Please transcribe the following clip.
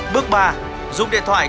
bước ba dùng điện thoại